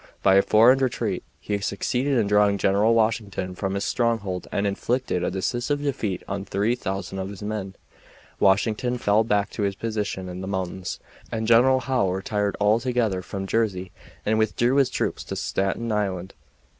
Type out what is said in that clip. By a feigned retreat he succeeded in drawing General Washington from his stronghold and inflicted a decisive defeat on 3000 of his men. Washington fell back to his position in the mountains, and General Howe retired altogether from Jersey and withdrew his troops to Staten Island.